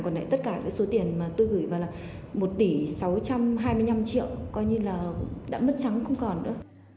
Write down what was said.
còn lại tất cả cái số tiền mà tôi gửi vào là một tỷ sáu trăm hai mươi năm triệu coi như là đã mất trắng không còn nữa